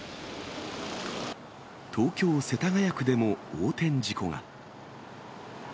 東京・世田谷区でも横転事故が。